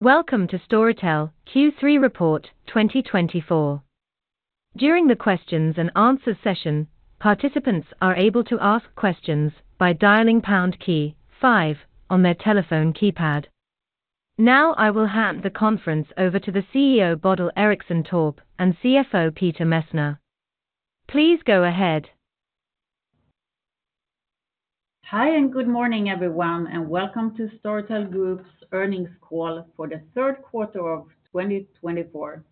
Welcome to Storytel Q3 Report 2024. During the questions and answers session, participants are able to ask questions by dialing pound key five on their telephone keypad. Now, I will hand the conference over to the CEO, Bodil Ericsson Torp, and CFO, Peter Messner. Please go ahead. Hi, and good morning, everyone, and welcome to Storytel Group's earnings call for the third quarter of 2024.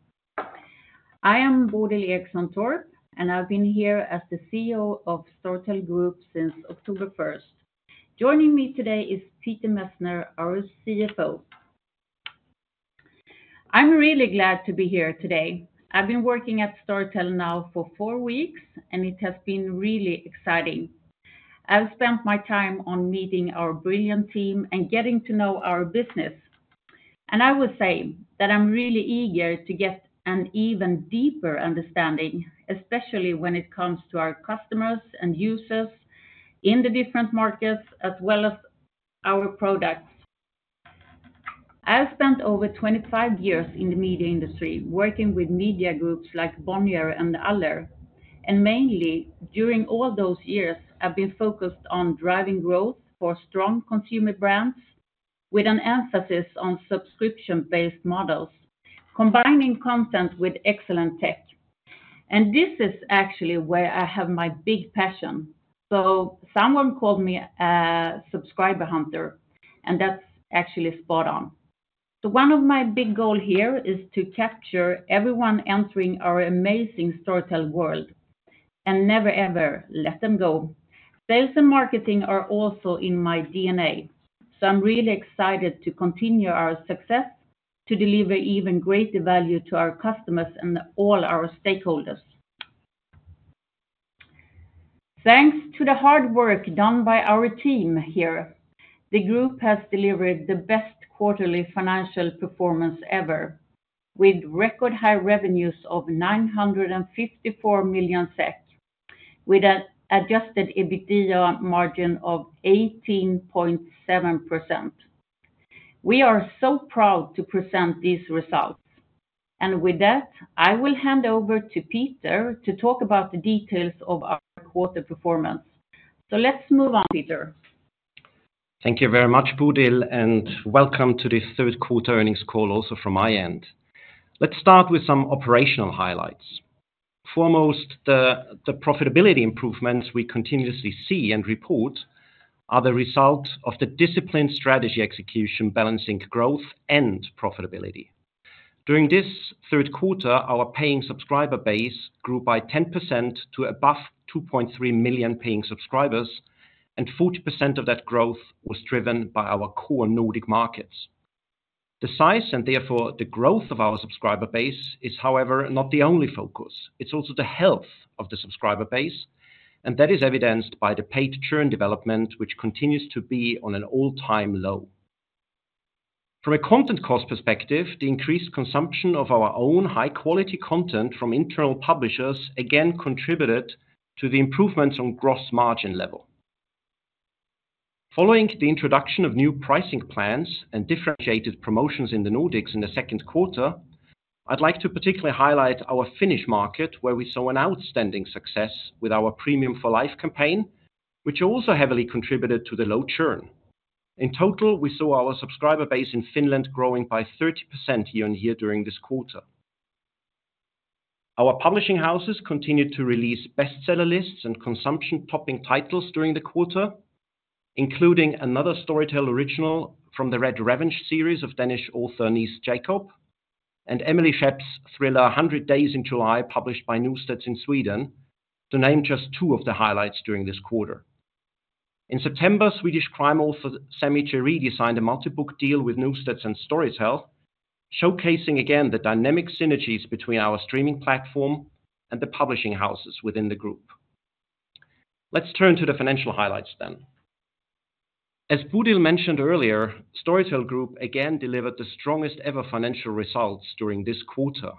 I am Bodil Ericsson Torp, and I've been here as the CEO of Storytel Group since October first. Joining me today is Peter Messner, our CFO. I'm really glad to be here today. I've been working at Storytel now for four weeks, and it has been really exciting. I've spent my time on meeting our brilliant team and getting to know our business, and I would say that I'm really eager to get an even deeper understanding, especially when it comes to our customers and users in the different markets, as well as our products. I've spent over 25 years in the media industry, working with media groups like Bonnier and Aller, and mainly during all those years, I've been focused on driving growth for strong consumer brands with an emphasis on subscription-based models, combining content with excellent tech, and this is actually where I have my big passion, so someone called me a subscriber hunter, and that's actually spot on, so one of my big goal here is to capture everyone entering our amazing Storytel world and never, ever let them go. Sales and marketing are also in my DNA, so I'm really excited to continue our success to deliver even greater value to our customers and all our stakeholders. Thanks to the hard work done by our team here, the group has delivered the best quarterly financial performance ever, with record high revenues of 954 million SEK, with an Adjusted EBITDA margin of 18.7%. We are so proud to present these results, and with that, I will hand over to Peter to talk about the details of our quarter performance. So let's move on, Peter. Thank you very much, Bodil, and welcome to the third quarter earnings call also from my end. Let's start with some operational highlights. Foremost, the profitability improvements we continuously see and report are the result of the disciplined strategy execution, balancing growth and profitability. During this third quarter, our paying subscriber base grew by 10% to above 2.3 million paying subscribers, and 40% of that growth was driven by our core Nordic markets. The size, and therefore the growth of our subscriber base, is, however, not the only focus. It's also the health of the subscriber base, and that is evidenced by the paid churn development, which continues to be on an all-time low. From a content cost perspective, the increased consumption of our own high-quality content from internal publishers again contributed to the improvements on gross margin level. Following the introduction of new pricing plans and differentiated promotions in the Nordics in the second quarter, I'd like to particularly highlight our Finnish market, where we saw an outstanding success with our Premium for Life campaign, which also heavily contributed to the low churn. In total, we saw our subscriber base in Finland growing by 30% year-on-year during this quarter. Our publishing houses continued to release bestseller lists and consumption topping titles during the quarter, including another Storytel Original from the Red Revenge series of Danish author, Nis Jakob, and Emelie Schepp's thriller, Hundred Days in July, published by Norstedts in Sweden, to name just two of the highlights during this quarter. In September, Swedish crime author, Sammy Jeridi, signed a multi-book deal with Norstedts and Storytel, showcasing again the dynamic synergies between our streaming platform and the publishing houses within the group. Let's turn to the financial highlights then. As Bodil mentioned earlier, Storytel Group again delivered the strongest ever financial results during this quarter.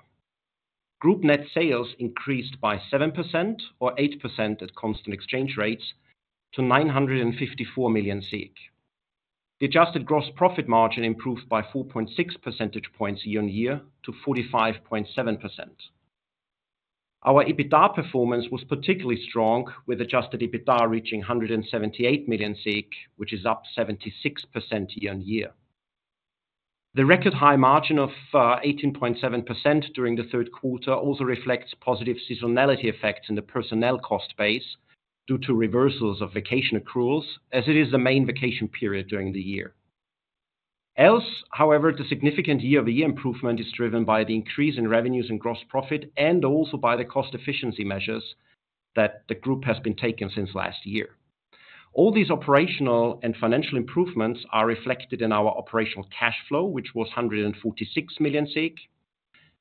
Group net sales increased by 7% or 8% at constant exchange rates to 954 million SEK. The adjusted gross profit margin improved by 4.6 percentage points year on year to 45.7%. Our EBITDA performance was particularly strong, with adjusted EBITDA reaching 178 million SEK, which is up 76% year on year. The record high margin of 18.7% during the third quarter also reflects positive seasonality effects in the personnel cost base due to reversals of vacation accruals, as it is the main vacation period during the year. Else, however, the significant year-over-year improvement is driven by the increase in revenues and gross profit, and also by the cost efficiency measures that the group has been taking since last year. All these operational and financial improvements are reflected in our operational cash flow, which was 146 million,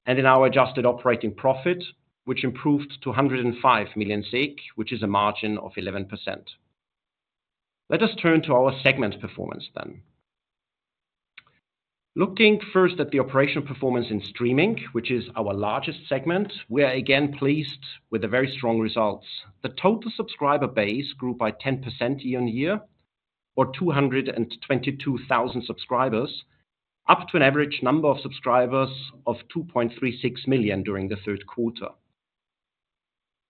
and in our adjusted operating profit, which improved to 105 million, which is a margin of 11%. Let us turn to our segment performance then. Looking first at the operational performance in streaming, which is our largest segment, we are again pleased with the very strong results. The total subscriber base grew by 10% year on year, or 222,000 subscribers, up to an average number of subscribers of 2.36 million during the third quarter.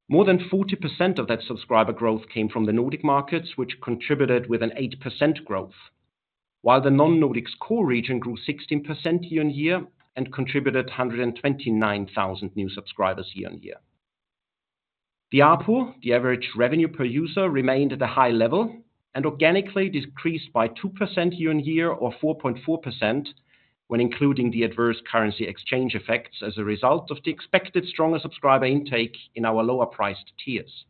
More than 40% of that subscriber growth came from the Nordic markets, which contributed with an 8% growth, while the non-Nordics core region grew 16% year-on-year and contributed 129,000 new subscribers year-on-year. The ARPU, the average revenue per user, remained at a high level and organically decreased by 2% year-on-year or 4.4% when including the adverse currency exchange effects as a result of the expected stronger subscriber intake in our lower priced tiers.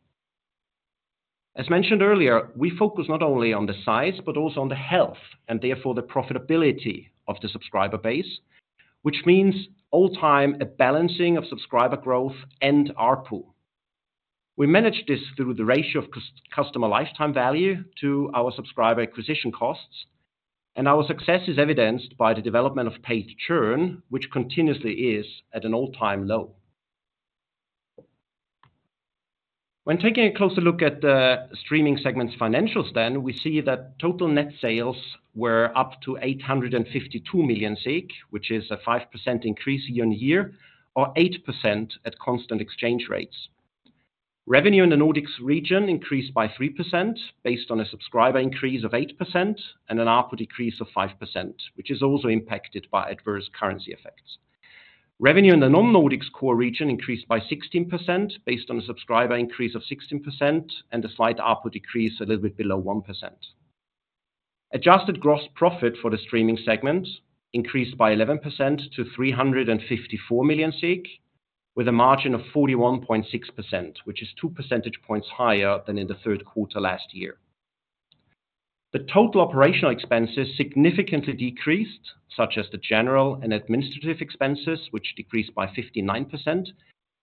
As mentioned earlier, we focus not only on the size but also on the health, and therefore the profitability of the subscriber base, which means at all times a balancing of subscriber growth and ARPU. We manage this through the ratio of customer lifetime value to our subscriber acquisition costs, and our success is evidenced by the development of paid churn, which continuously is at an all-time low. When taking a closer look at the streaming segment's financials, then we see that total net sales were up to 852 million SEK, which is a 5% increase year-on-year, or 8% at constant exchange rates. Revenue in the Nordics region increased by 3% based on a subscriber increase of 8% and an ARPU decrease of 5%, which is also impacted by adverse currency effects. Revenue in the non-Nordics core region increased by 16% based on a subscriber increase of 16% and a slight ARPU decrease a little bit below 1%. Adjusted gross profit for the streaming segment increased by 11% to 354 million SEK, with a margin of 41.6%, which is two percentage points higher than in the third quarter last year. The total operational expenses significantly decreased, such as the general and administrative expenses, which decreased by 59%.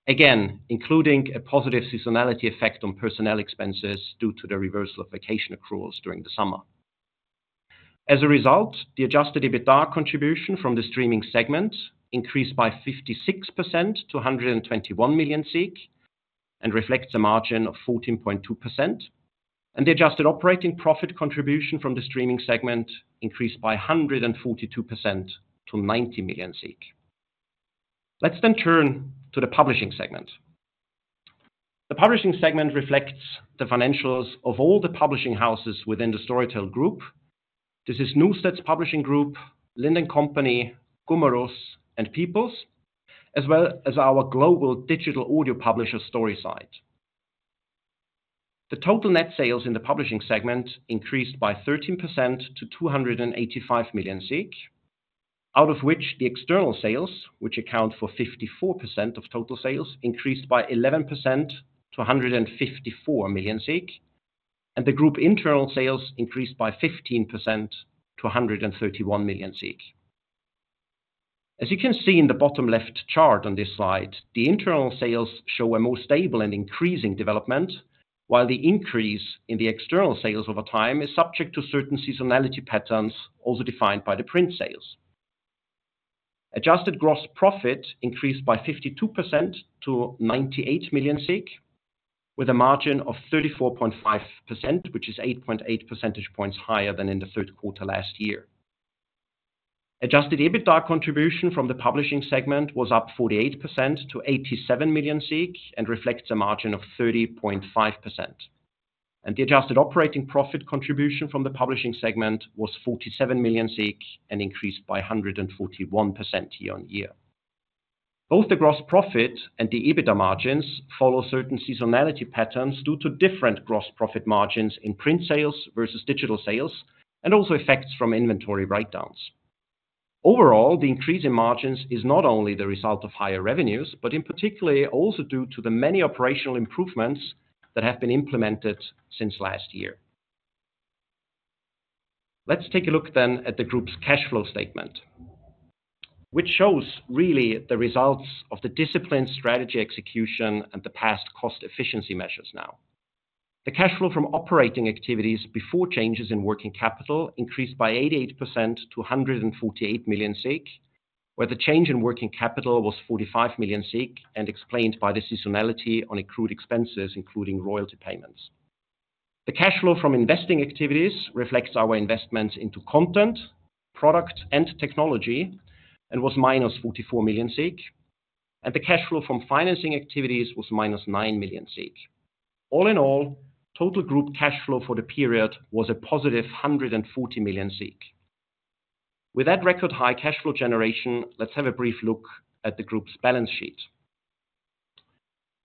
Again, including a positive seasonality effect on personnel expenses due to the reversal of vacation accruals during the summer. As a result, the adjusted EBITDA contribution from the streaming segment increased by 56% to 121 million SEK, and reflects a margin of 14.2%. And the adjusted operating profit contribution from the streaming segment increased by 142% to 90 million SEK. Let's then turn to the publishing segment. The publishing segment reflects the financials of all the publishing houses within the Storytel Group. This is Norstedts Förlagsgrupp, Lind & Co, Gummerus, and People's, as well as our global digital audio publisher, Storyside. The total net sales in the publishing segment increased by 13% to 285 million SEK, out of which the external sales, which account for 54% of total sales, increased by 11% to 154 million SEK, and the group internal sales increased by 15% to 131 million SEK. As you can see in the bottom left chart on this slide, the internal sales show a more stable and increasing development, while the increase in the external sales over time is subject to certain seasonality patterns, also defined by the print sales. Adjusted gross profit increased by 52% to 98 million SEK, with a margin of 34.5%, which is 8.8 percentage points higher than in the third quarter last year. Adjusted EBITDA contribution from the publishing segment was up 48% to 87 million SEK and reflects a margin of 30.5%. And the adjusted operating profit contribution from the publishing segment was 47 million SEK and increased by 141% year-on-year. Both the gross profit and the EBITDA margins follow certain seasonality patterns due to different gross profit margins in print sales versus digital sales, and also effects from inventory write-downs. Overall, the increase in margins is not only the result of higher revenues, but in particular also due to the many operational improvements that have been implemented since last year. Let's take a look then at the group's cash flow statement, which shows really the results of the disciplined strategy execution and the past cost efficiency measures now. The cash flow from operating activities before changes in working capital increased by 88% to 148 million SEK, where the change in working capital was 45 million SEK and explained by the seasonality on accrued expenses, including royalty payments. The cash flow from investing activities reflects our investments into content, product, and technology, and was minus 44 million, and the cash flow from financing activities was minus 9 million. All in all, total group cash flow for the period was a positive 140 million. With that record high cash flow generation, let's have a brief look at the group's balance sheet.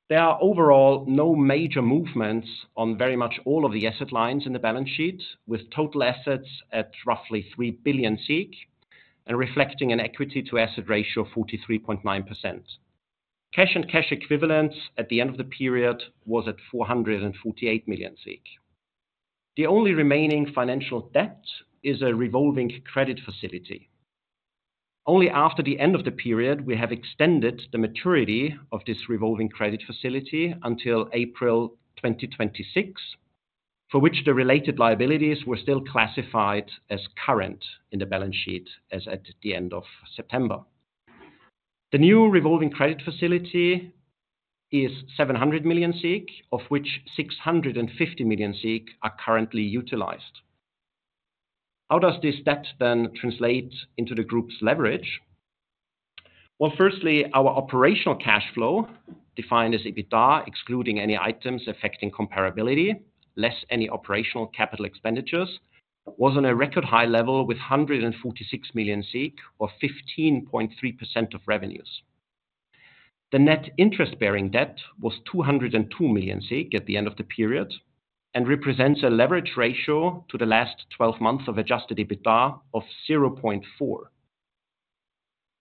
There are overall no major movements on very much all of the asset lines in the balance sheet, with total assets at roughly 3 billion and reflecting an equity to asset ratio of 43.9%. Cash and cash equivalents at the end of the period was at 448 million SEK. The only remaining financial debt is a revolving credit facility. Only after the end of the period, we have extended the maturity of this revolving credit facility until April twenty twenty-six, for which the related liabilities were still classified as current in the balance sheet as at the end of September. The new revolving credit facility is 700 million SEK, of which 650 million SEK are currently utilized. How does these steps then translate into the group's leverage? Well, firstly, our operational cash flow, defined as EBITDA, excluding any items affecting comparability, less any operational capital expenditures, was on a record high level with 146 million SEK, or 15.3% of revenues. The net interest-bearing debt was 202 million SEK at the end of the period, and represents a leverage ratio to the last twelve months of Adjusted EBITDA of 0.4.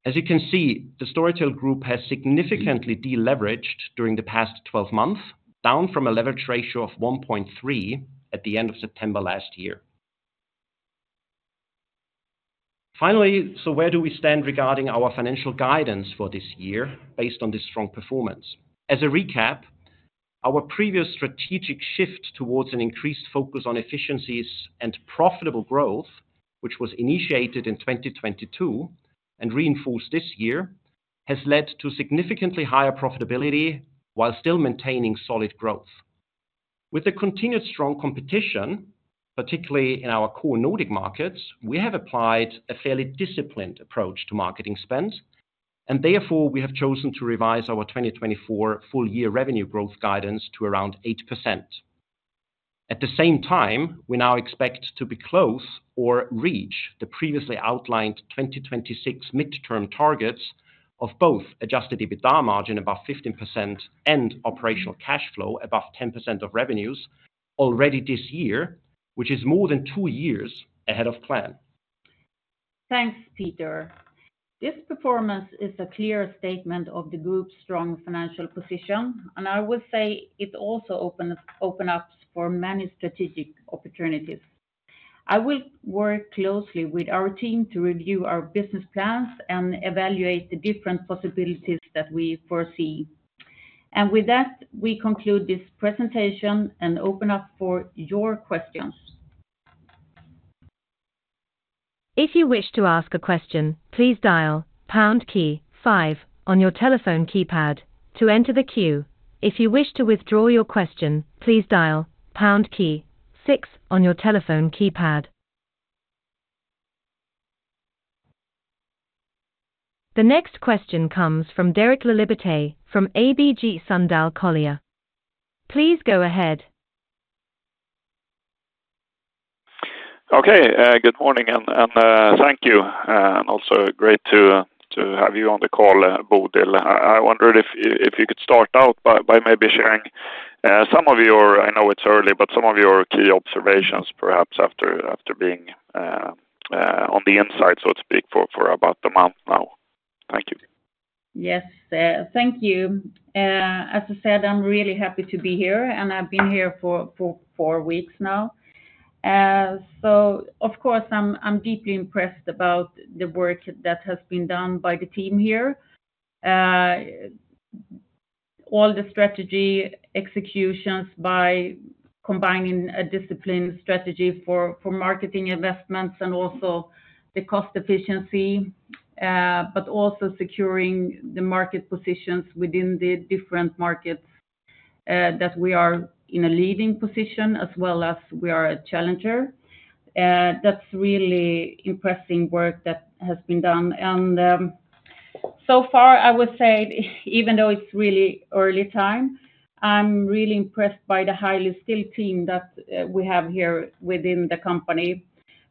As you can see, the Storytel Group has significantly deleveraged during the past 12 months, down from a leverage ratio of 1.3 at the end of September last year. Finally, so where do we stand regarding our financial guidance for this year based on this strong performance? As a recap, our previous strategic shift towards an increased focus on efficiencies and profitable growth, which was initiated in 2022 and reinforced this year, has led to significantly higher profitability while still maintaining solid growth. With the continued strong competition, particularly in our core Nordic markets, we have applied a fairly disciplined approach to marketing spends, and therefore, we have chosen to revise our 2024 full-year revenue growth guidance to around 8%. At the same time, we now expect to be close or reach the previously outlined 2026 midterm targets of both Adjusted EBITDA margin, about 15%, and operational cash flow above 10% of revenues already this year, which is more than two years ahead of plan. Thanks, Peter. This performance is a clear statement of the group's strong financial position, and I would say it also open up for many strategic opportunities. I will work closely with our team to review our business plans and evaluate the different possibilities that we foresee, and with that, we conclude this presentation and open up for your questions. If you wish to ask a question, please dial pound key five on your telephone keypad to enter the queue. If you wish to withdraw your question, please dial pound key six on your telephone keypad. The next question comes from Derek Laliberte, from ABG Sundal Collier. Please go ahead. Okay, good morning and thank you. Also great to have you on the call, Bodil. I wondered if you could start out by maybe sharing some of your-- I know it's early, but some of your key observations, perhaps after being on the inside, so to speak, for about a month now. Thank you. Yes, thank you. As I said, I'm really happy to be here, and I've been here for four weeks now. So of course, I'm deeply impressed about the work that has been done by the team here. All the strategy executions by combining a disciplined strategy for marketing investments and also the cost efficiency, but also securing the market positions within the different markets, that we are in a leading position as well as we are a challenger. That's really impressive work that has been done, and so far, I would say, even though it's really early time, I'm really impressed by the highly skilled team that we have here within the company,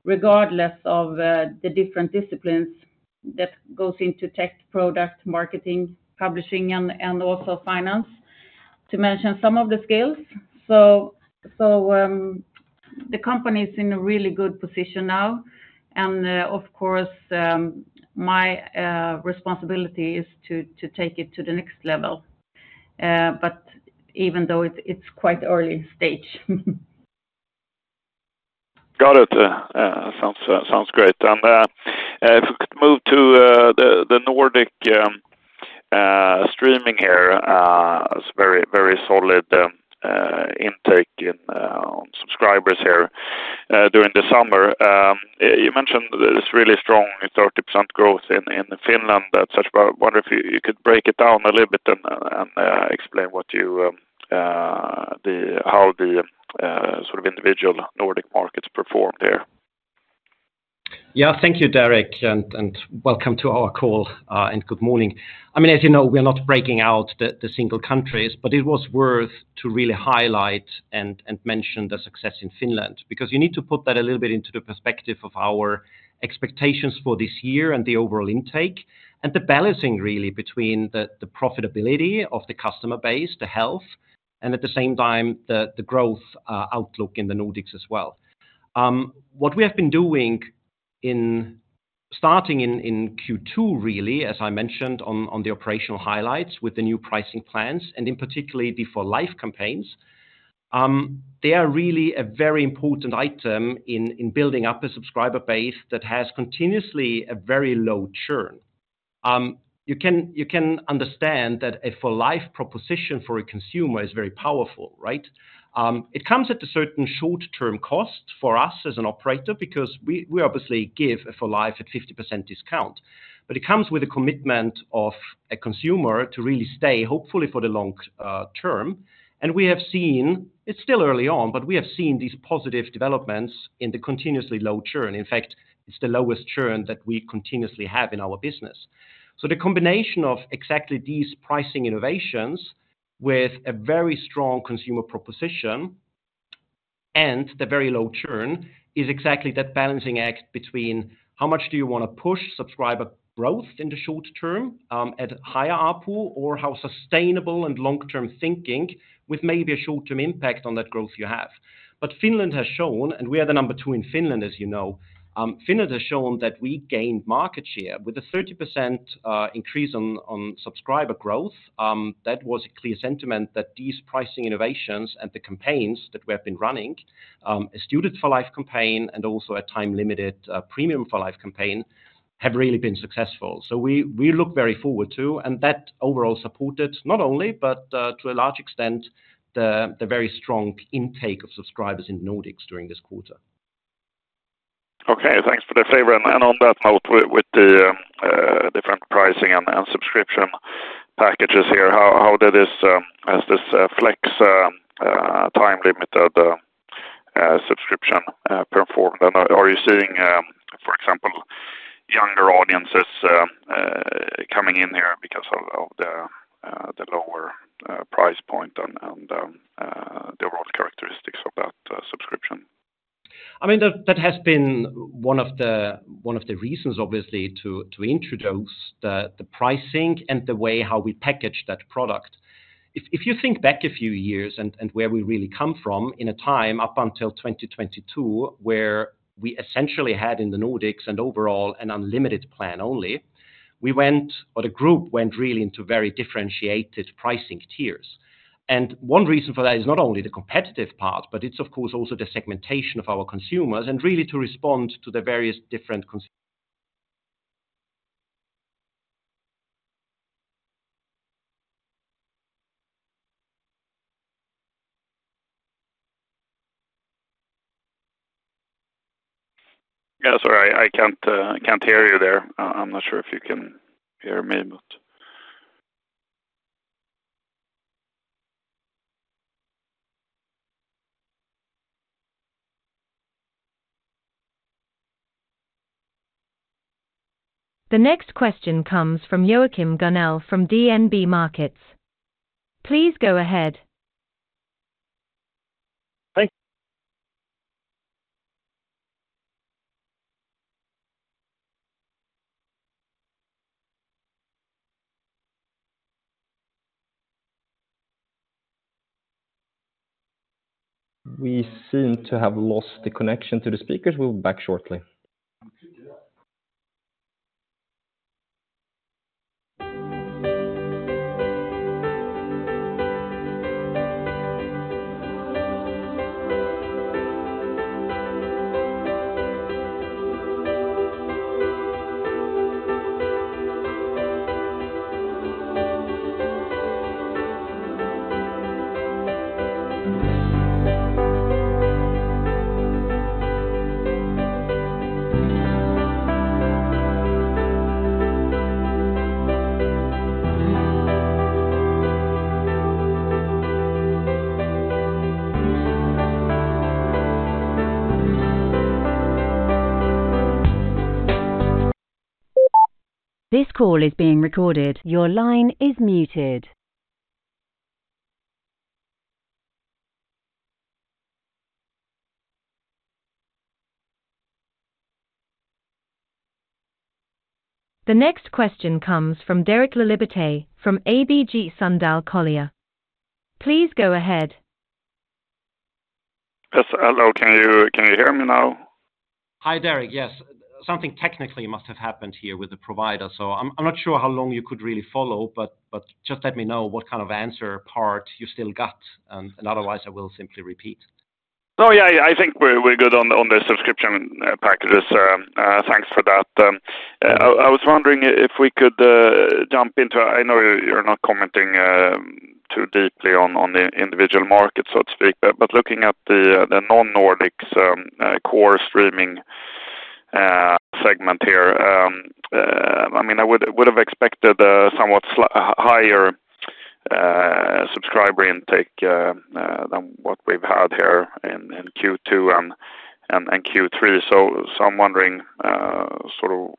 regardless of the different disciplines that goes into tech, product, marketing, publishing, and also finance, to mention some of the skills. So, the company is in a really good position now, and, of course, my responsibility is to take it to the next level, but even though it, it's quite early stage. Got it. Sounds great. And if we could move to the Nordic streaming here, is very very solid intake on subscribers here during the summer. You mentioned this really strong 30% growth in Finland. That's why I wonder if you could break it down a little bit and explain how the sort of individual Nordic markets performed there. Yeah. Thank you, Derek, and welcome to our call, and good morning. I mean, as you know, we're not breaking out the single countries, but it was worth to really highlight and mention the success in Finland. Because you need to put that a little bit into the perspective of our expectations for this year and the overall intake, and the balancing, really, between the profitability of the customer base, the health, and at the same time, the growth outlook in the Nordics as well. What we have been doing in starting in Q2, really, as I mentioned, on the operational highlights with the new pricing plans, and in particular the For Life campaigns, they are really a very important item in building up a subscriber base that has continuously a very low churn. You can, you can understand that a For Life proposition for a consumer is very powerful, right? It comes at a certain short-term cost for us as an operator because we, we obviously give a For Life at 50% discount. But it comes with a commitment of a consumer to really stay, hopefully, for the long term. And we have seen... It's still early on, but we have seen these positive developments in the continuously low churn. In fact, it's the lowest churn that we continuously have in our business. So the combination of exactly these pricing innovations with a very strong consumer proposition-... And the very low churn is exactly that balancing act between how much do you wanna push subscriber growth in the short term, at higher ARPU, or how sustainable and long-term thinking with maybe a short-term impact on that growth you have. But Finland has shown, and we are the number two in Finland, as you know, Finland has shown that we gained market share with a 30% increase on subscriber growth. That was a clear sentiment that these pricing innovations and the campaigns that we have been running, a Student for Life campaign and also a time-limited Premium for Life campaign, have really been successful. So we look very forward to, and that overall supported, not only, but to a large extent, the very strong intake of subscribers in Nordics during this quarter. Okay, thanks for the favor. And on that note, with the different pricing and subscription packages here, how has this flex time limited subscription performed? And are you seeing, for example, younger audiences coming in here because of the lower price point and the overall characteristics of that subscription? I mean, that has been one of the reasons, obviously, to introduce the pricing and the way how we package that product. If you think back a few years and where we really come from in a time up until twenty twenty-two, where we essentially had in the Nordics and overall an Unlimited plan only, we went, or the group went really into very differentiated pricing tiers. And one reason for that is not only the competitive part, but it's of course, also the segmentation of our consumers and really to respond to the various different cons- Yeah, sorry, I can't, I can't hear you there. I, I'm not sure if you can hear me, but... The next question comes from Joachim Gunell from DNB Markets. Please go ahead. Thank- We seem to have lost the connection to the speakers. We'll be back shortly. We could do that. This call is being recorded. Your line is muted. The next question comes from Derek Laliberte, from ABG Sundal Collier. Please go ahead. Yes, hello. Can you hear me now? Hi, Derek. Yes. Something technically must have happened here with the provider, so I'm not sure how long you could really follow, but just let me know what kind of answer part you still got, and otherwise I will simply repeat. Oh, yeah. I think we're good on the subscription packages. Thanks for that. I was wondering if we could jump into... I know you're not commenting too deeply on the individual markets, so to speak. But looking at the non-Nordics core streaming segment here, I mean, I would have expected a somewhat slightly higher subscriber intake than what we've had here in Q2 and Q3. So I'm wondering, sort of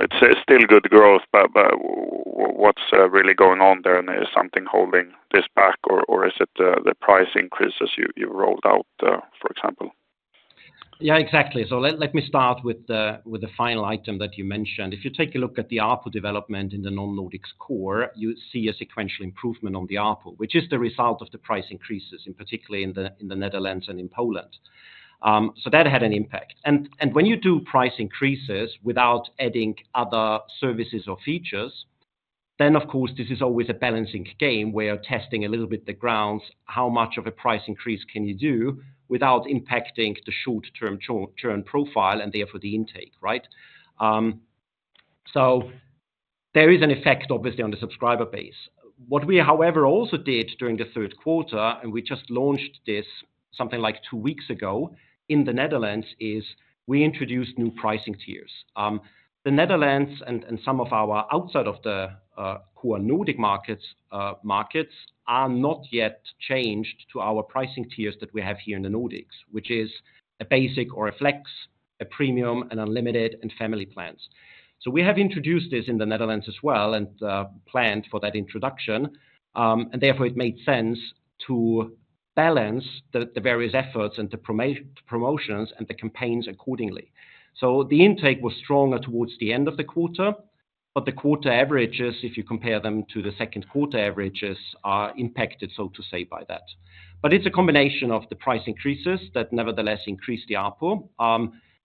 it's still good growth, but what's really going on there, and is something holding this back or is it the price increases you rolled out, for example? Yeah, exactly. So let me start with the final item that you mentioned. If you take a look at the ARPU development in the non-Nordics core, you see a sequential improvement on the ARPU, which is the result of the price increases, particularly in the Netherlands and in Poland. So that had an impact. And when you do price increases without adding other services or features, then of course, this is always a balancing game where you're testing a little bit the grounds, how much of a price increase can you do without impacting the short-term profile and therefore the intake, right? So there is an effect, obviously, on the subscriber base. What we however also did during the third quarter, and we just launched this something like two weeks ago in the Netherlands, is we introduced new pricing tiers. The Netherlands and some of our outside of the core Nordic markets are not yet changed to our pricing tiers that we have here in the Nordics, which is a Basic or a Flex, a Premium, an Unlimited, and Family plans. So we have introduced this in the Netherlands as well, and planned for that introduction, and therefore it made sense to balance the various efforts and the promotions and the campaigns accordingly. So the intake was stronger towards the end of the quarter, but the quarter averages, if you compare them to the second quarter averages, are impacted, so to say, by that. It's a combination of the price increases that nevertheless increase the ARPU.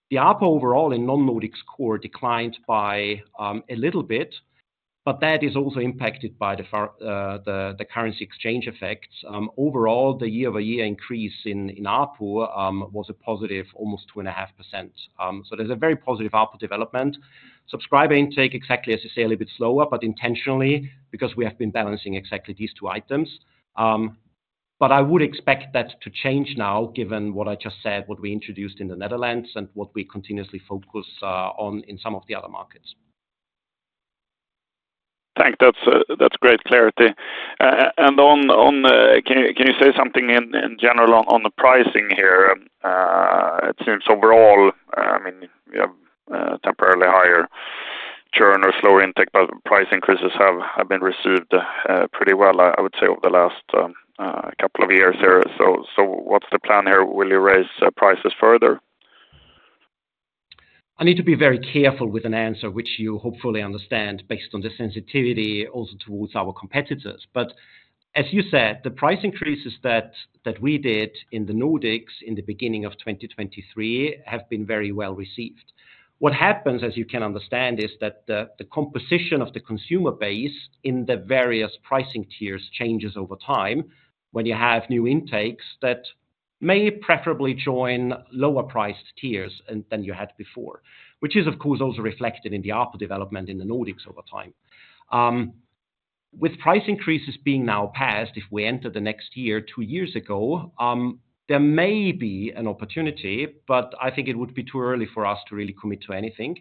The ARPU overall in non-Nordics core declined by a little bit, but that is also impacted by the FX, the currency exchange effects. Overall, the year-over-year increase in ARPU was a positive, almost 2.5%. So there's a very positive ARPU development. Subscriber intake, exactly as I say, a little bit slower, but intentionally because we have been balancing exactly these two items. But I would expect that to change now, given what I just said, what we introduced in the Netherlands and what we continuously focus on in some of the other markets. Thanks. That's great clarity. And on, can you say something in general on the pricing here? It seems overall, I mean, you have temporarily higher churn or slower intake, but price increases have been received pretty well, I would say, over the last couple of years there. So what's the plan here? Will you raise prices further? I need to be very careful with an answer, which you hopefully understand, based on the sensitivity also towards our competitors, but as you said, the price increases that we did in the Nordics in the beginning of 2023 have been very well received. What happens, as you can understand, is that the composition of the consumer base in the various pricing tiers changes over time when you have new intakes that may preferably join lower priced tiers and than you had before, which is, of course, also reflected in the ARPU development in the Nordics over time. With price increases being now past, if we enter the next year, two years ago, there may be an opportunity, but I think it would be too early for us to really commit to anything.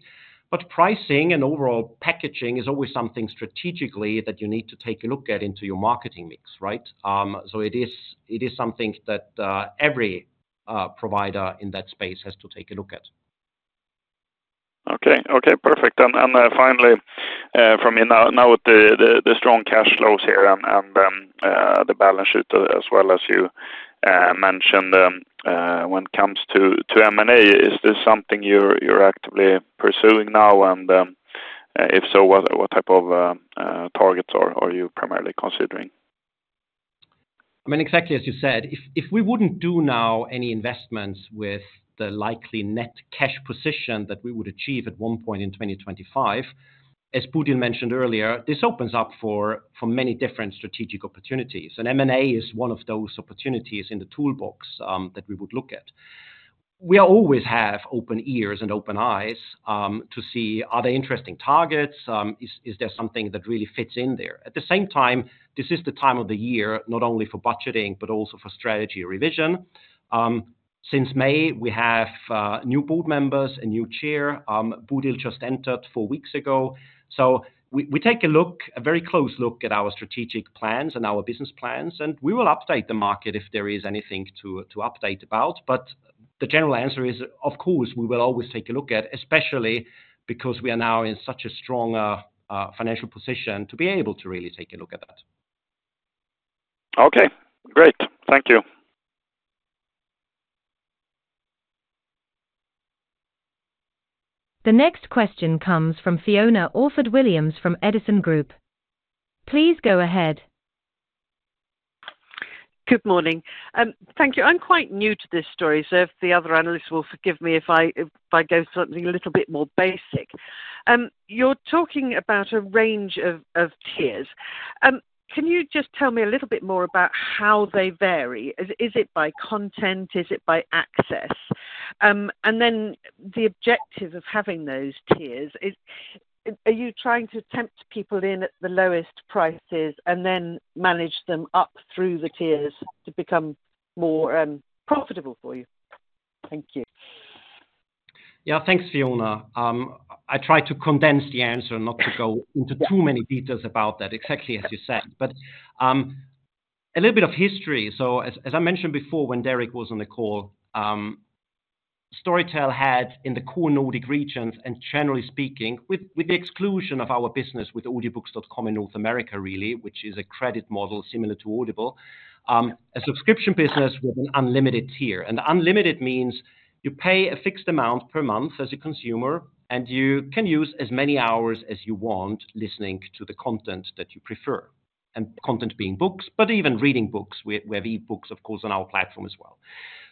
But pricing and overall packaging is always something strategically that you need to take a look at into your marketing mix, right? So it is something that every provider in that space has to take a look at. Okay. Okay, perfect. Finally, from me now with the strong cash flows here and the balance sheet as well, as you mentioned, when it comes to M&A, is this something you're actively pursuing now? And, if so, what type of targets are you primarily considering? I mean, exactly as you said, if we wouldn't do now any investments with the likely net cash position that we would achieve at some point in 2025, as Bodil mentioned earlier, this opens up for many different strategic opportunities, and M&A is one of those opportunities in the toolbox that we would look at. We always have open ears and open eyes to see are there interesting targets, is there something that really fits in there? At the same time, this is the time of the year, not only for budgeting, but also for strategy revision. Since May, we have new board members, a new chair, Bodil just entered four weeks ago. We take a look, a very close look at our strategic plans and our business plans, and we will update the market if there is anything to update about, but the general answer is, of course, we will always take a look at, especially because we are now in such a strong financial position to be able to really take a look at that. Okay, great. Thank you. The next question comes from Fiona Orford-Williams from Edison Group. Please go ahead. Good morning. Thank you. I'm quite new to this story, so if the other analysts will forgive me, if I go something a little bit more basic. You're talking about a range of tiers. Can you just tell me a little bit more about how they vary? Is it by content? Is it by access? And then the objective of having those tiers, are you trying to tempt people in at the lowest prices and then manage them up through the tiers to become more profitable for you? Thank you. Yeah, thanks, Fiona. I tried to condense the answer, not to go into too many details about that, exactly as you said, but a little bit of history, so as I mentioned before, when Derek was on the call, Storytel had in the core Nordic regions, and generally speaking, with the exclusion of our business with Audiobooks.com in North America, really, which is a credit model similar to Audible, a subscription business with an unlimited tier, and unlimited means you pay a fixed amount per month as a consumer, and you can use as many hours as you want, listening to the content that you prefer, and content being books, but even reading books. We have e-books, of course, on our platform as well.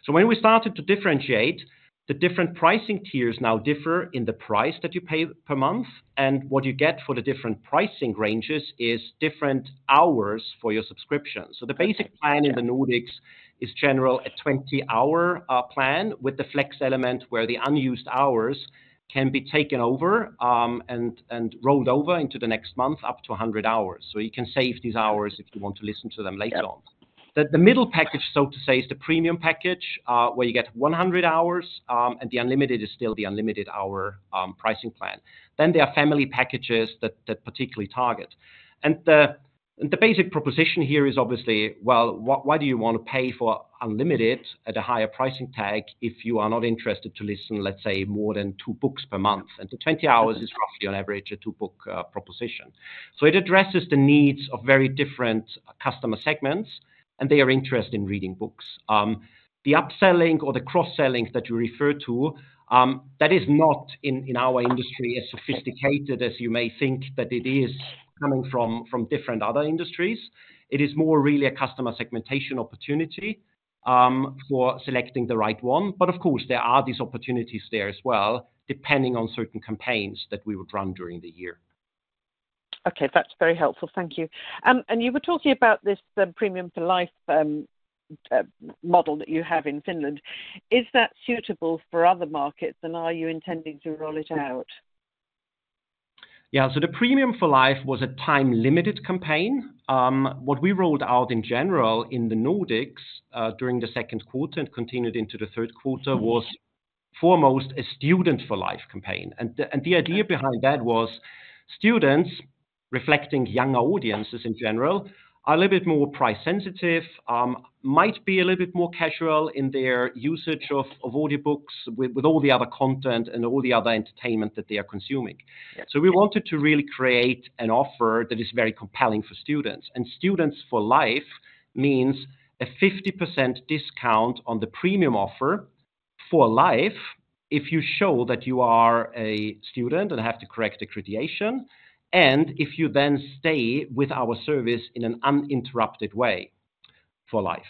When we started to differentiate, the different pricing tiers now differ in the price that you pay per month, and what you get for the different pricing ranges is different hours for your subscription. The basic plan in the Nordics is general, a 20-hour plan, with the flex element, where the unused hours can be taken over and rolled over into the next month, up to 100 hours. So you can save these hours if you want to listen to them later on. The middle package, so to say, is the premium package, where you get 100 hours, and the unlimited is still the unlimited hour pricing plan. Then there are family packages that particularly target. And the-... The basic proposition here is obviously, well, why, why do you want to pay for unlimited at a higher price tag if you are not interested to listen, let's say, more than two books per month? 20 hours is roughly on average a two-book proposition. It addresses the needs of very different customer segments, and they are interested in reading books. The upselling or the cross-selling that you refer to, that is not in, in our industry as sophisticated as you may think that it is coming from, from different other industries. It is more really a customer segmentation opportunity for selecting the right one. Of course, there are these opportunities there as well, depending on certain campaigns that we would run during the year. Okay, that's very helpful. Thank you. And you were talking about this, the Premium for Life, model that you have in Finland. Is that suitable for other markets, and are you intending to roll it out? Yeah, so the Premium for Life was a time-limited campaign. What we rolled out in general in the Nordics during the second quarter and continued into the third quarter was foremost a Student for Life campaign, and the idea behind that was students, reflecting younger audiences in general, are a little bit more price sensitive, might be a little bit more casual in their usage of audiobooks with all the other content and all the other entertainment that they are consuming, so we wanted to really create an offer that is very compelling for students, and Student for Life means a 50% discount on the premium offer for life, if you show that you are a student and have the correct accreditation, and if you then stay with our service in an uninterrupted way for life.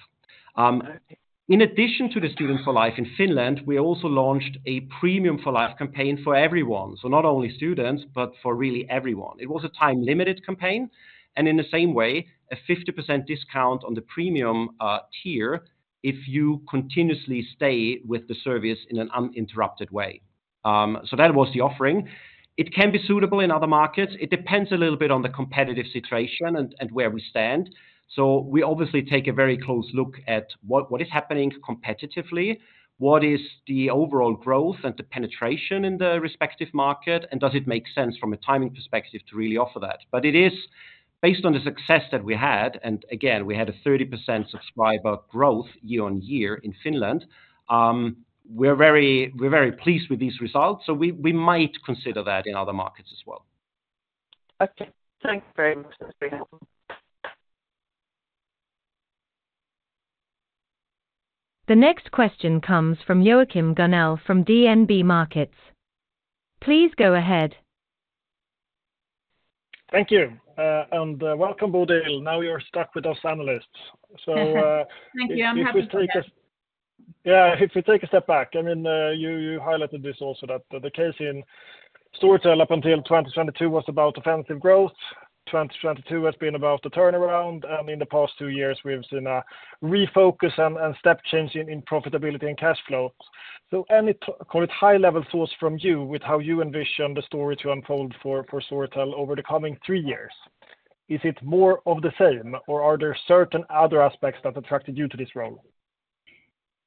In addition to the Students for Life in Finland, we also launched a Premium for Life campaign for everyone. So not only students, but for really everyone. It was a time-limited campaign, and in the same way, a 50% discount on the premium tier, if you continuously stay with the service in an uninterrupted way. So that was the offering. It can be suitable in other markets. It depends a little bit on the competitive situation and where we stand. So we obviously take a very close look at what is happening competitively, what is the overall growth and the penetration in the respective market, and does it make sense from a timing perspective to really offer that? But it is based on the success that we had, and again, we had a 30% subscriber growth year on year in Finland. We're very pleased with these results, so we might consider that in other markets as well. Okay, thanks very much. That's very helpful. The next question comes from Joakim Gunell, from DNB Markets. Please go ahead. Thank you, and welcome, Bodil. Now you're stuck with us analysts. Thank you. I'm happy with that. So, if we take a step back, I mean, you highlighted this also, that the case in Storytel up until twenty twenty-two was about offensive growth. Twenty twenty-two has been about the turnaround, and in the past two years, we've seen a refocus and step change in profitability and cash flow. So any kind of high-level thoughts from you with how you envision the story to unfold for Storytel over the coming three years? Is it more of the same, or are there certain other aspects that attracted you to this role?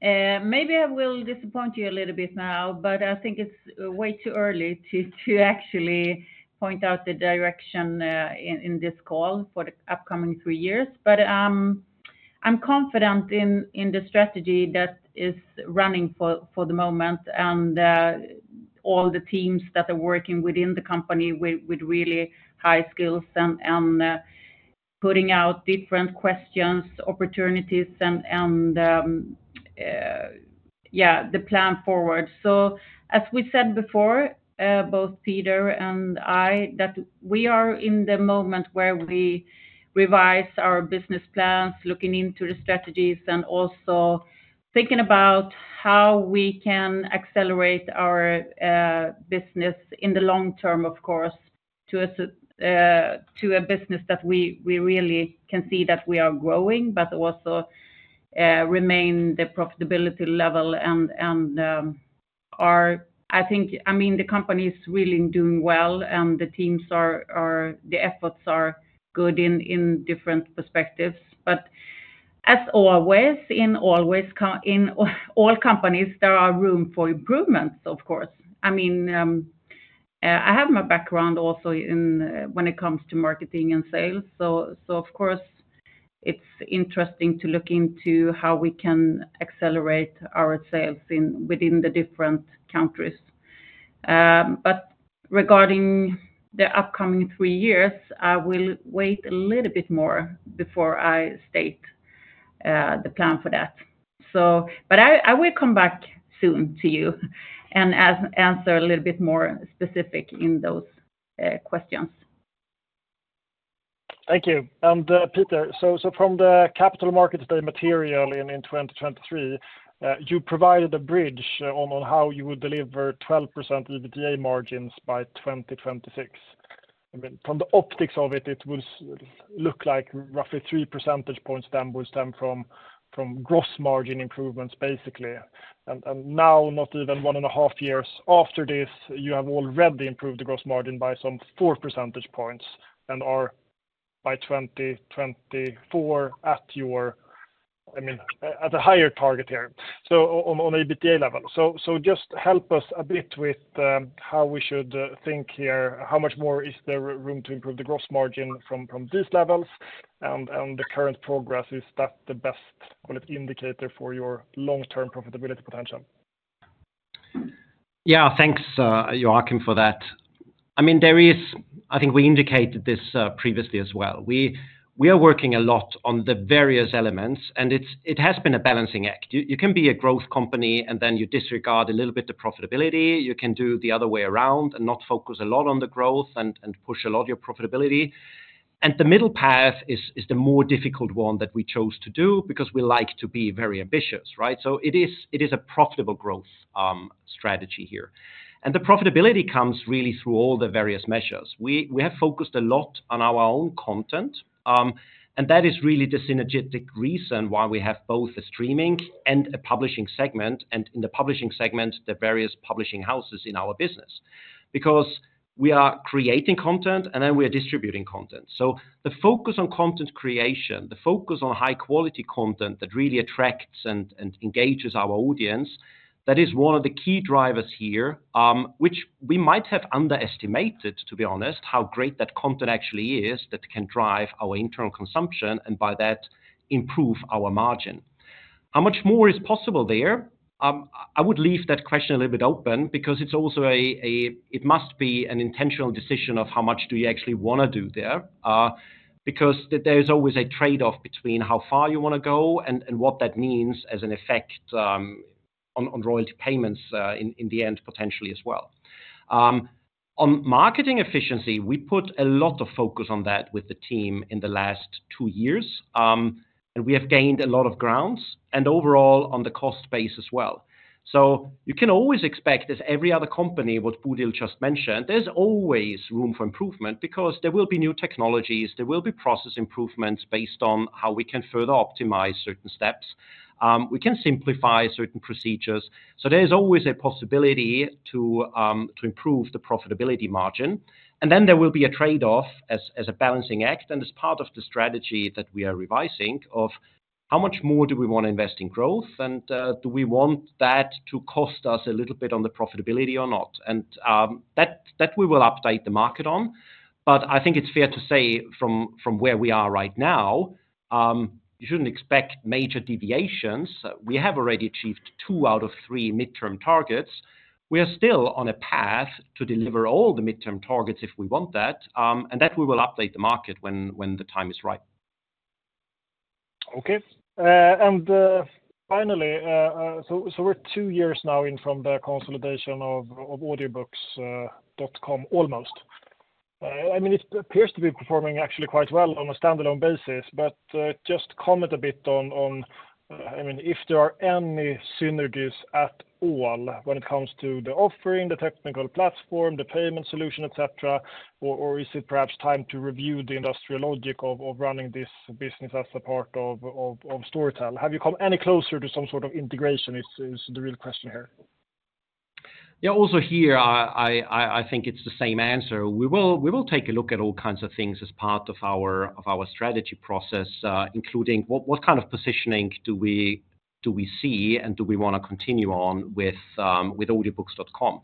Maybe I will disappoint you a little bit now, but I think it's way too early to actually point out the direction in this call for the upcoming three years. But I'm confident in the strategy that is running for the moment, and all the teams that are working within the company with really high skills and yeah, the plan forward. So as we said before, both Peter and I, that we are in the moment where we revise our business plans, looking into the strategies, and also thinking about how we can accelerate our business in the long term, of course, to a business that we really can see that we are growing, but also remain the profitability level and I think, I mean, the company is really doing well, and the teams are the efforts are good in different perspectives. But as always, in all companies, there are room for improvements, of course. I mean, I have my background also in when it comes to marketing and sales. So of course, it's interesting to look into how we can accelerate our sales in the different countries. But regarding the upcoming three years, I will wait a little bit more before I state the plan for that. So but I will come back soon to you and answer a little bit more specific in those questions. Thank you. And Peter, so from the capital markets day material in 2023, you provided a bridge on how you would deliver 12% EBITDA margins by 2026. I mean, from the optics of it, it would look like roughly 3 percentage points then would stem from gross margin improvements, basically. And now, not even one and a half years after this, you have already improved the gross margin by some 4 percentage points and are by 2024 at a higher target here, so on EBITDA level. So just help us a bit with how we should think here. How much more is there room to improve the gross margin from these levels and the current progress? Is that the best, call it, indicator for your long-term profitability potential? Yeah, thanks, Joakim, for that. I mean, there is. I think we indicated this previously as well. We are working a lot on the various elements, and it has been a balancing act. You can be a growth company, and then you disregard a little bit the profitability. You can do the other way around and not focus a lot on the growth and push a lot of your profitability. And the middle path is the more difficult one that we chose to do because we like to be very ambitious, right? So it is a profitable growth strategy here. And the profitability comes really through all the various measures. We have focused a lot on our own content, and that is really the synergetic reason why we have both a streaming and a publishing segment, and in the publishing segment, the various publishing houses in our business. Because we are creating content, and then we are distributing content. So the focus on content creation, the focus on high-quality content that really attracts and engages our audience, that is one of the key drivers here, which we might have underestimated, to be honest, how great that content actually is that can drive our internal consumption, and by that, improve our margin. How much more is possible there? I would leave that question a little bit open because it's also a. It must be an intentional decision of how much do you actually wanna do there, because there is always a trade-off between how far you wanna go and what that means as an effect on royalty payments in the end, potentially as well. On marketing efficiency, we put a lot of focus on that with the team in the last two years, and we have gained a lot of ground, and overall, on the cost base as well. So you can always expect, as every other company, what Bodil just mentioned, there's always room for improvement because there will be new technologies, there will be process improvements based on how we can further optimize certain steps. We can simplify certain procedures. So there is always a possibility to improve the profitability margin. And then there will be a trade-off as a balancing act and as part of the strategy that we are revising of how much more do we wanna invest in growth, and do we want that to cost us a little bit on the profitability or not? And that we will update the market on. But I think it's fair to say from where we are right now, you shouldn't expect major deviations. We have already achieved two out of three midterm targets. We are still on a path to deliver all the midterm targets if we want that, and that we will update the market when the time is right. Okay. And finally, so we're two years now in from the consolidation of Audiobooks.com, almost. I mean, it appears to be performing actually quite well on a standalone basis, but just comment a bit on, I mean, if there are any synergies at all when it comes to the offering, the technical platform, the payment solution, et cetera, or is it perhaps time to review the industrial logic of running this business as a part of Storytel? Have you come any closer to some sort of integration? Is the real question here. Yeah, also here, I think it's the same answer. We will take a look at all kinds of things as part of our strategy process, including what kind of positioning do we see, and do we wanna continue on with Audiobooks.com?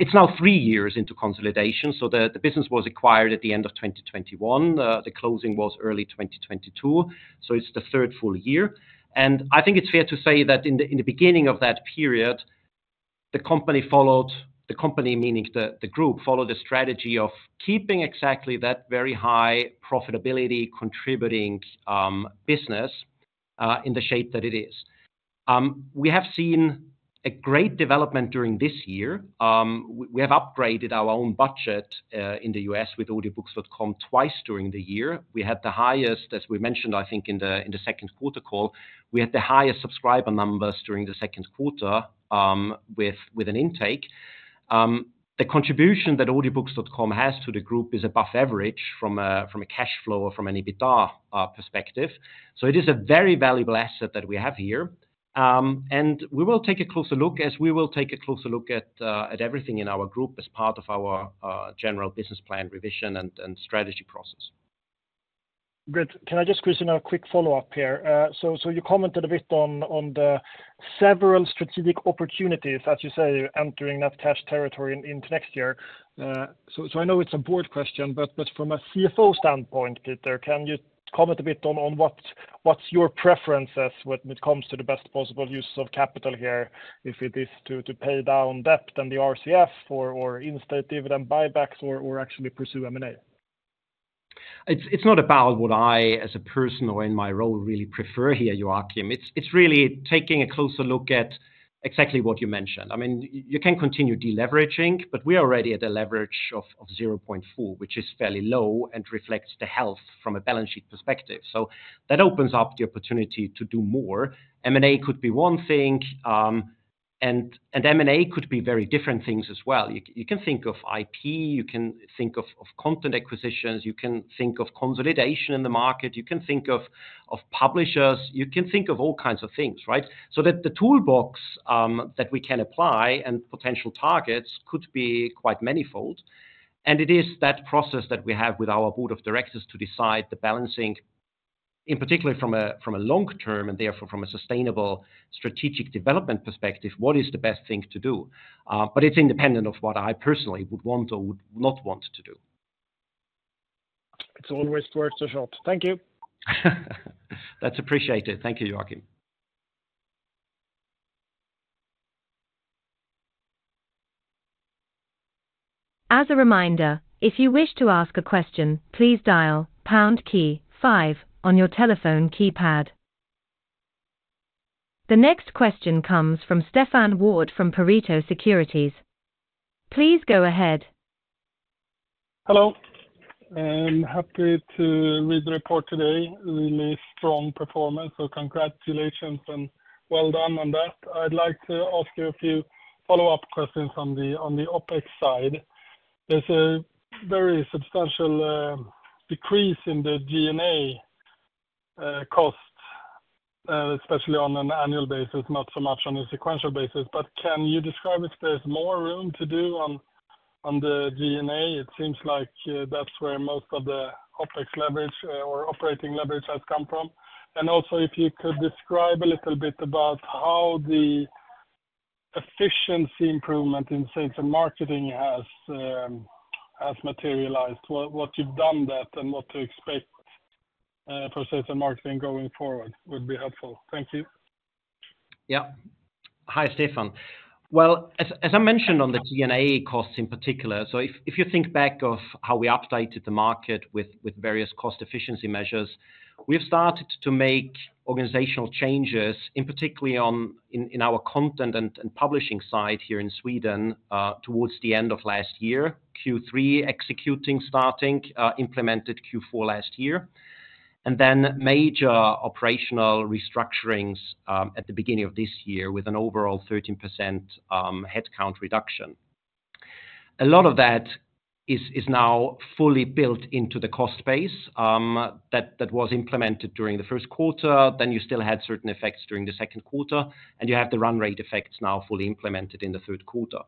It's now three years into consolidation, so the business was acquired at the end of 2021. The closing was early 2022, so it's the third full year. And I think it's fair to say that in the beginning of that period, the company, meaning the group, followed the strategy of keeping exactly that very high profitability, contributing business in the shape that it is. We have seen a great development during this year. We have upgraded our own budget in the U.S. with Audiobooks.com twice during the year. We had the highest, as we mentioned, I think, in the second quarter call, we had the highest subscriber numbers during the second quarter with an intake. The contribution that Audiobooks.com has to the group is above average from a cash flow or from an EBITDA perspective. So it is a very valuable asset that we have here. And we will take a closer look, as we will take a closer look at everything in our group as part of our general business plan revision and strategy process. Great. Can I just, Christian, a quick follow-up here? So you commented a bit on the several strategic opportunities, as you say, entering that territory into next year. So I know it's a broad question, but from a CFO standpoint, Peter, can you comment a bit on what's your preferences when it comes to the best possible use of capital here, if it is to pay down debt and the RCF or instead dividend buybacks or actually pursue M&A? It's not about what I, as a person or in my role, really prefer here, Joakim. It's really taking a closer look at exactly what you mentioned. I mean, you can continue deleveraging, but we are already at a leverage of 0.4, which is fairly low and reflects the health from a balance sheet perspective. So that opens up the opportunity to do more. M&A could be one thing, and M&A could be very different things as well. You can think of IP, you can think of content acquisitions, you can think of consolidation in the market, you can think of publishers, you can think of all kinds of things, right? So that the toolbox that we can apply and potential targets could be quite manifold. It is that process that we have with our board of directors to decide the balancing... in particular, from a long term, and therefore from a sustainable strategic development perspective, what is the best thing to do, but it's independent of what I personally would want or would not want to do. It's always worth the shot. Thank you. That's appreciated. Thank you, Joakim. As a reminder, if you wish to ask a question, please dial pound key five on your telephone keypad. The next question comes from Stefan Wård from Pareto Securities. Please go ahead. Hello, and happy to read the report today. Really strong performance. So congratulations and well done on that. I'd like to ask you a few follow-up questions on the OpEx side. There's a very substantial decrease in the G&A cost, especially on an annual basis, not so much on a sequential basis, but can you describe if there's more room to do on the G&A? It seems like that's where most of the OpEx leverage or operating leverage has come from. And also, if you could describe a little bit about how the efficiency improvement in sales and marketing has materialized, what you've done that and what to expect for sales and marketing going forward would be helpful. Thank you. Yeah. Hi, Stefan. Well, as I mentioned on the G&A costs in particular, so if you think back of how we updated the market with various cost efficiency measures, we've started to make organizational changes, particularly in our content and publishing side here in Sweden, towards the end of last year, Q3, executing, starting, implemented Q4 last year. And then major operational restructurings at the beginning of this year, with an overall 13% headcount reduction. A lot of that is now fully built into the cost base that was implemented during the first quarter. Then you still had certain effects during the second quarter, and you have the run rate effects now fully implemented in the third quarter.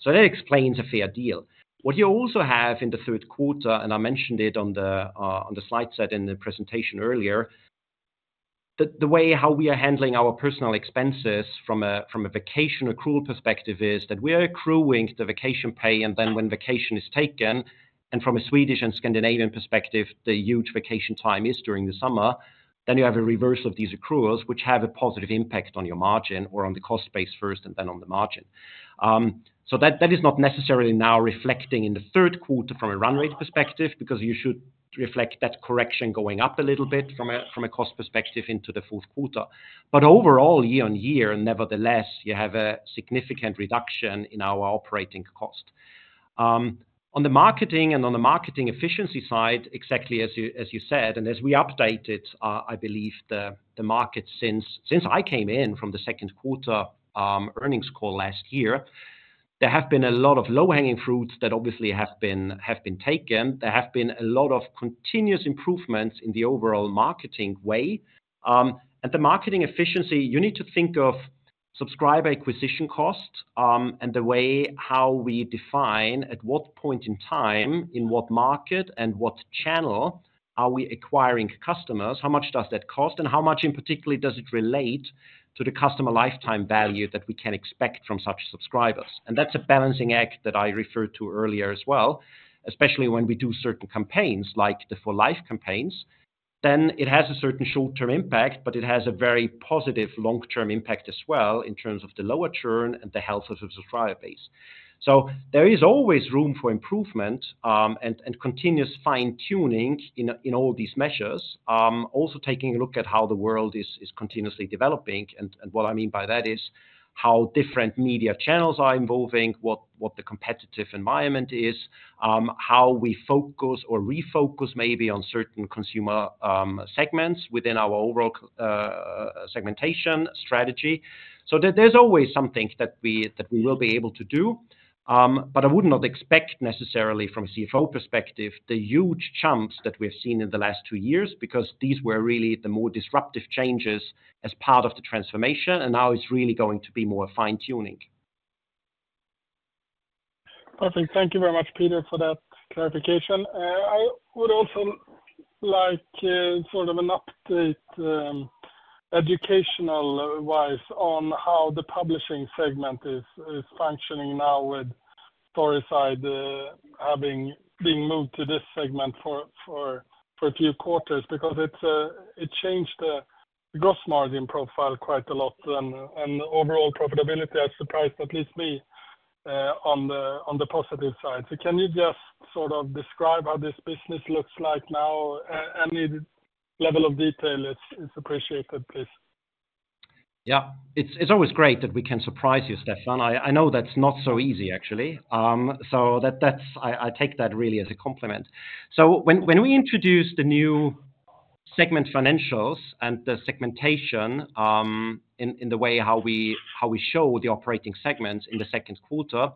So that explains a fair deal. What you also have in the third quarter, and I mentioned it on the slide set in the presentation earlier, the way how we are handling our personal expenses from a vacation accrual perspective is that we are accruing the vacation pay and then when vacation is taken, and from a Swedish and Scandinavian perspective, the huge vacation time is during the summer, then you have a reverse of these accruals, which have a positive impact on your margin or on the cost base first and then on the margin. So that is not necessarily now reflecting in the third quarter from a run rate perspective, because you should reflect that correction going up a little bit from a cost perspective into the fourth quarter. But overall, year on year, nevertheless, you have a significant reduction in our operating cost. On the marketing and on the marketing efficiency side, exactly as you, as you said, and as we updated, I believe the market, since I came in from the second quarter earnings call last year, there have been a lot of low-hanging fruits that obviously have been taken. There have been a lot of continuous improvements in the overall marketing way. And the marketing efficiency, you need to think of subscriber acquisition costs, and the way how we define at what point in time, in what market, and what channel are we acquiring customers? How much does that cost, and how much, in particular, does it relate to the customer lifetime value that we can expect from such subscribers? That's a balancing act that I referred to earlier as well, especially when we do certain campaigns like the For Life campaigns. Then it has a certain short-term impact, but it has a very positive long-term impact as well, in terms of the lower churn and the health of the subscriber base. There is always room for improvement, and continuous fine-tuning in all these measures. Also taking a look at how the world is continuously developing. What I mean by that is how different media channels are evolving, what the competitive environment is, how we focus or refocus maybe on certain consumer segments within our overall segmentation strategy. So there, there's always something that we will be able to do, but I would not expect necessarily from a CFO perspective the huge chunks that we've seen in the last two years, because these were really the more disruptive changes as part of the transformation, and now it's really going to be more fine-tuning. Perfect. Thank you very much, Peter, for that clarification. I would also like, sort of an update, educational-wise on how the publishing segment is functioning now with Storyside, having been moved to this segment for a few quarters because it's, it changed the gross margin profile quite a lot, and the overall profitability has surprised at least me, on the positive side. So can you just sort of describe how this business looks like now? Any level of detail is appreciated, please. Yeah. It's always great that we can surprise you, Stefan. I know that's not so easy, actually. So that's. I take that really as a compliment. So when we introduced the new segment financials and the segmentation, in the way how we show the operating segments in the second quarter,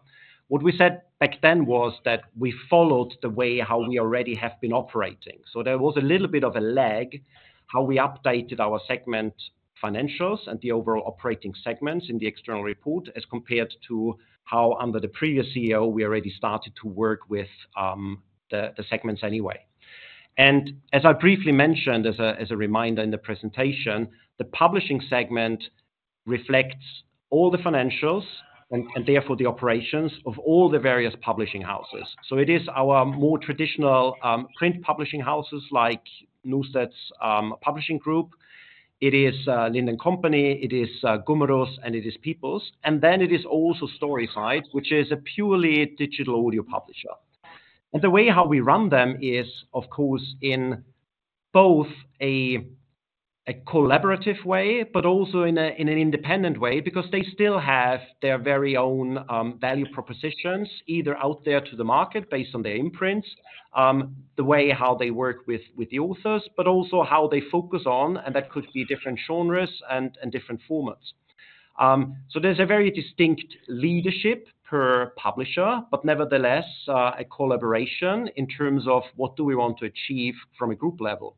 what we said back then was that we followed the way how we already have been operating. So there was a little bit of a lag, how we updated our segment financials and the overall operating segments in the external report, as compared to how under the previous CEO, we already started to work with the segments anyway. And as I briefly mentioned, as a reminder in the presentation, the publishing segment reflects all the financials and therefore the operations of all the various publishing houses. So it is our more traditional print publishing houses like Norstedts Publishing Group, it is Lind & Co, it is Gummerus, and it is People's. And then it is also StorySide, which is a purely digital audio publisher. And the way how we run them is, of course, in both a collaborative way, but also in an independent way, because they still have their very own value propositions, either out there to the market based on their imprints, the way how they work with the authors, but also how they focus on, and that could be different genres and different formats. So there's a very distinct leadership per publisher, but nevertheless, a collaboration in terms of what do we want to achieve from a group level.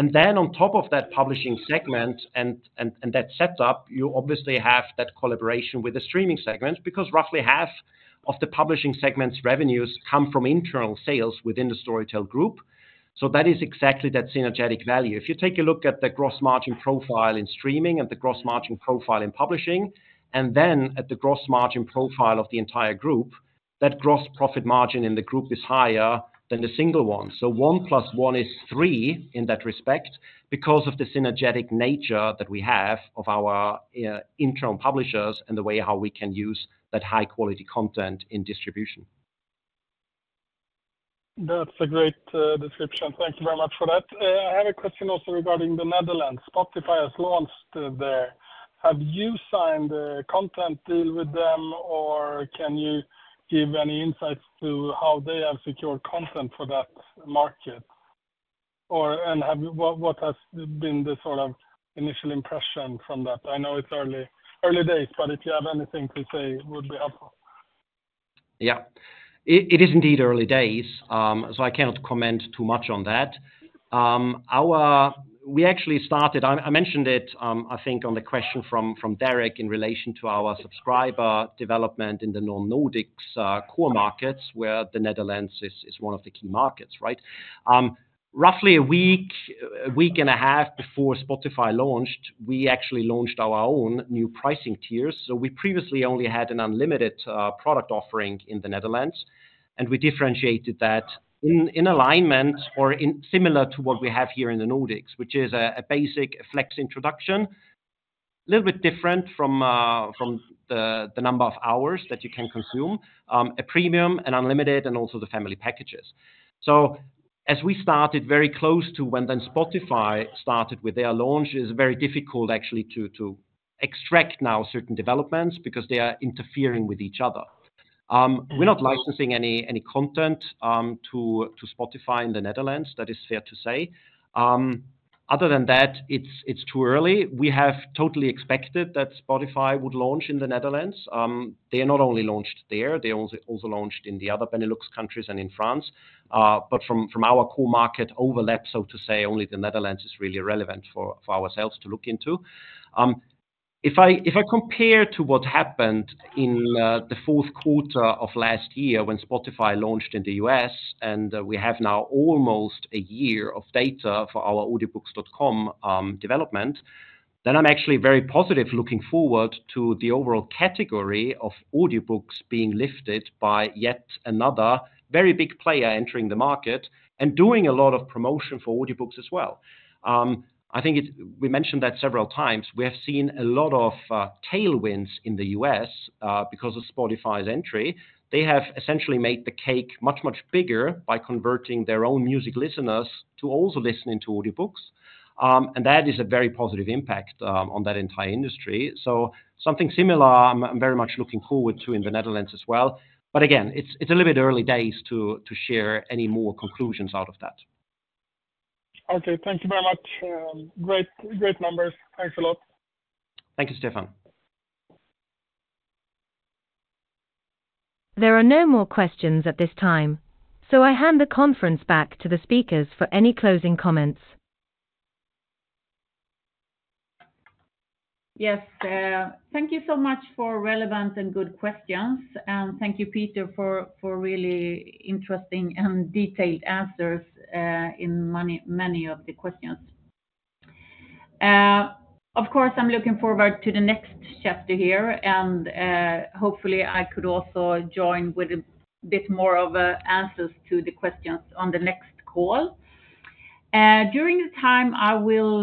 And then on top of that publishing segment and that set up, you obviously have that collaboration with the streaming segment, because roughly half of the publishing segment's revenues come from internal sales within the Storytel Group. So that is exactly that synergistic value. If you take a look at the gross margin profile in streaming and the gross margin profile in publishing, and then at the gross margin profile of the entire group, that gross profit margin in the group is higher than the single one. So one plus one is three in that respect because of the synergistic nature that we have of our internal publishers and the way how we can use that high-quality content in distribution. That's a great description. Thank you very much for that. I had a question also regarding the Netherlands. Spotify has launched there. Have you signed a content deal with them, or can you give any insights to how they have secured content for that market? Or, and what has been the sort of initial impression from that? I know it's early days, but if you have anything to say, it would be helpful. Yeah. It is indeed early days, so I cannot comment too much on that. We actually started. I mentioned it, I think on the question from Derek, in relation to our subscriber development in the non-Nordics core markets, where the Netherlands is one of the key markets, right? Roughly a week, a week and a half before Spotify launched, we actually launched our own new pricing tiers. So we previously only had an unlimited product offering in the Netherlands, and we differentiated that in alignment or in similar to what we have here in the Nordics, which is a Basic, Flex introduction. A little bit different from the number of hours that you can consume, a premium and unlimited, and also the family packages. So as we started very close to when then Spotify started with their launch, it's very difficult actually to extract now certain developments because they are interfering with each other. We're not licensing any content to Spotify in the Netherlands. That is fair to say. Other than that, it's too early. We have totally expected that Spotify would launch in the Netherlands. They not only launched there, they also launched in the other Benelux countries and in France. But from our core market overlap, so to say, only the Netherlands is really relevant for ourselves to look into. If I compare to what happened in the fourth quarter of last year when Spotify launched in the U.S., and we have now almost a year of data for our Audiobooks.com development, then I'm actually very positive looking forward to the overall category of audiobooks being lifted by yet another very big player entering the market and doing a lot of promotion for audiobooks as well. I think it. We mentioned that several times. We have seen a lot of tailwinds in the U.S. because of Spotify's entry. They have essentially made the cake much, much bigger by converting their own music listeners to also listening to audiobooks, and that is a very positive impact on that entire industry, so something similar I'm very much looking forward to in the Netherlands as well. But again, it's a little bit early days to share any more conclusions out of that. Okay, thank you very much. Great, great numbers. Thanks a lot. Thank you, Stefan. There are no more questions at this time, so I hand the conference back to the speakers for any closing comments. Yes, thank you so much for relevant and good questions, and thank you, Peter, for really interesting and detailed answers in many of the questions. Of course, I'm looking forward to the next chapter here, and hopefully, I could also join with a bit more of answers to the questions on the next call. During the time, I will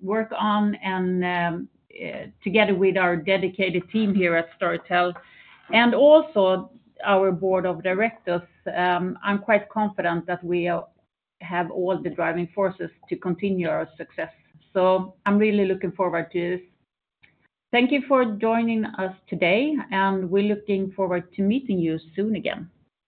work on and together with our dedicated team here at Storytel and also our board of directors. I'm quite confident that we have all the driving forces to continue our success. So I'm really looking forward to this. Thank you for joining us today, and we're looking forward to meeting you soon again.